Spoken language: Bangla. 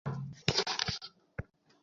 জাভেদ, সে কিছুই করবে না।